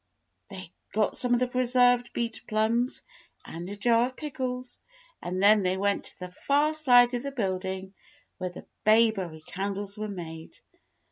They got some of the pre served beach plums and a jar of pickles, and then they went to the far side of the building where the bayberry candles were made.